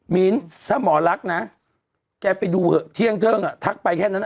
มิ้นถ้าหมอรักนะแกไปดูเถอะเที่ยงเทิงอ่ะทักไปแค่นั้น